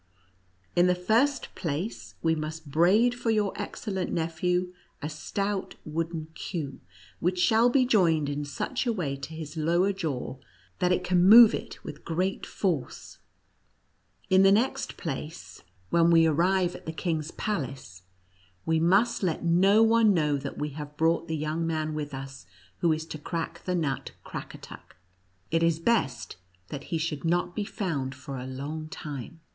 In the first place, we must braid for your excellent nephew a stout wooden queue, which shall be joined in such a way to his lower jaw, that it can move it with great force. In the next place, when we 82 NTJTCE ACKER AND MOUSE KING. arrive at the king's palace, we must let no one know that we have brought the voung man with us who is to crack the nut Crackatuck. It is best that he should not be found for a long time.